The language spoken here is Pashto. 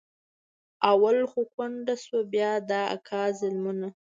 اول خو کونډه سوه بيا د اکا ظلمونه.